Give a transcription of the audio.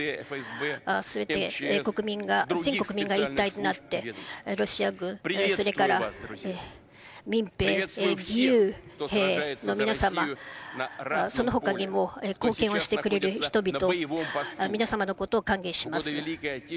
すべて国民が、全国民が一体となって、ロシア軍、それから民兵、義勇兵の皆様、そのほかにも貢献をしてくれる人々、皆様のことを歓迎します。